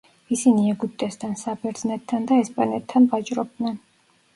ისინი ეგვიპტესთან, საბერძნეთთან და ესპანეთთან ვაჭრობდნენ.